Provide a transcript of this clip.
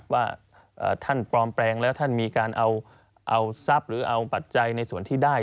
ว่าท่านปลอมแปลงแล้วท่านมีการเอาทรัพย์หรือเอาปัจจัยในส่วนที่ได้